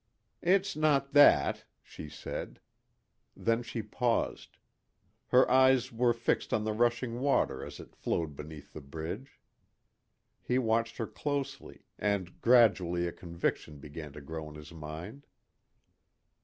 "It's not that," she said. Then she paused. Her eyes were fixed on the rushing water as it flowed beneath the bridge. He watched her closely, and gradually a conviction began to grow in his mind.